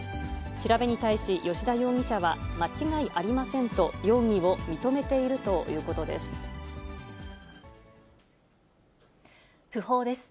調べに対し、吉田容疑者は、間違いありませんと容疑を認めて訃報です。